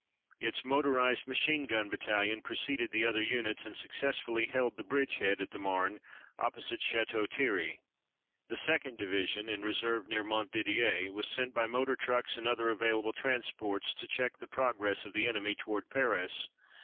Its motorized machine gun battalion preceded the other units and successfully held the bridgehead at the Marne, opposite Château Thierry. The 2d Division, in reserve near Montdidier, was sent by motor trucks and other available transport to check the progress of the enemy toward Paris.